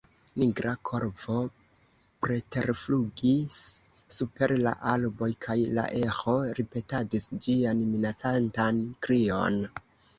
Nigra korvo preterflugis super la arboj, kaj la eĥo ripetadis ĝian minacantan krion.